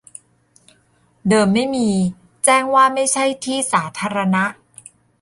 เดิมไม่มี แจ้งว่าไม่ใช่ที่สาธารณะ